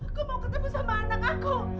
aku mau ketemu sama anak aku